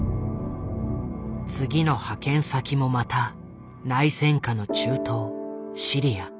次の派遣先もまた内戦下の中東シリア。